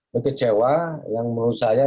mengecewa yang menurut saya